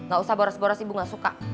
gak usah boros boros ibu nggak suka